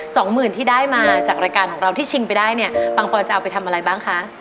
สองหมื่นที่ได้มาจากรายการของเราที่ชิงไปได้เนี่ยปังปอนจะเอาไปทำอะไรบ้างคะ